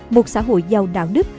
một xã hội giàu đạo đức